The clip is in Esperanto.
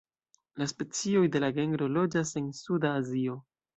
La specioj de la genro loĝas en Suda Azio.